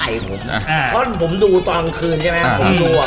อ่าอ่าพอผมดูตอนกลางคืนใช่ไหมอ่าผมดูอ่ะ